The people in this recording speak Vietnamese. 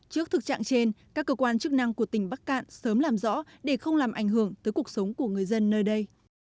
trước thực trạng trên các cơ quan chức năng của tỉnh bắc cạn sớm làm rõ để không làm ảnh hưởng tới cuộc sống của người dân nơi đây